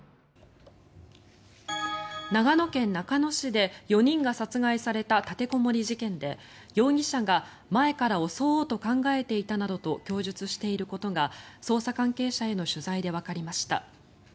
長野県中野市で４人が殺害された立てこもり事件で容疑者が、前から襲おうと考えていたなどと供述していることが捜査関係者への取材でわかりました。